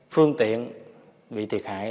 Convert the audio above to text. phương tiện bị thiệt hại